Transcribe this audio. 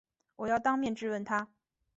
我要当面质问他